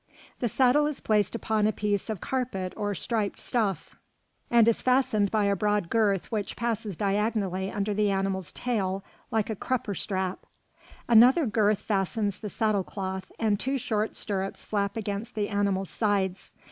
The saddle is placed upon a piece of carpet or striped stuff, and is fastened by a broad girth which passes diagonally under the animal's tail like a crupper strap; another girth fastens the saddle cloth, and two short stirrups flap against the animal's sides.